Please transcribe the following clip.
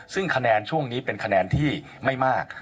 ซึ่งคะแนนช่วงนี้เป็นคะแนนที่ไม่มาก